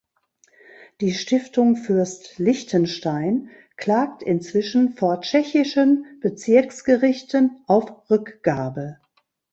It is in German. Die Stiftung Fürst Liechtenstein klagt inzwischen vor tschechischen Bezirksgerichten auf Rückgabe.